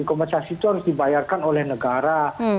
kompensasi itu harus dibayarkan oleh negara